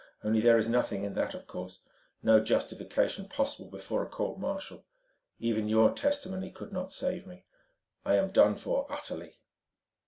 Only there is nothing in that, of course, no justification possible before a court martial. Even your testimony could not save me ... I am done for, utterly...."